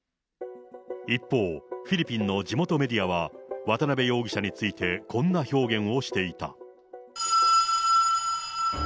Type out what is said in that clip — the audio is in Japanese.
一方、フィリピンの地元メディアは、渡辺容疑者についてこんな表現をしていた。